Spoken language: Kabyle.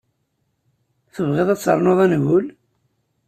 Tebɣiḍ ad ternuḍ angul?